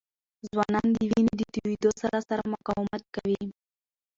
ځوانان د وینې د تویېدو سره سره مقاومت کوي.